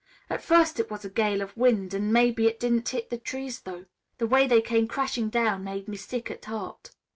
At first it was a gale of wind, and maybe it didn't hit the trees, though. The way they came crashing down made me sick at heart.